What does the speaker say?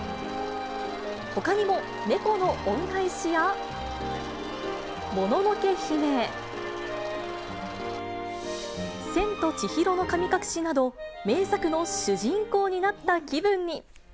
ほかにも猫の恩返しや、もののけ姫、千と千尋の神隠しなど、名作の主人公になった気分に。